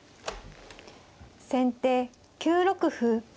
先手９六歩。